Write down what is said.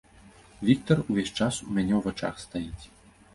Віктар увесь час ў мяне ў вачах стаіць.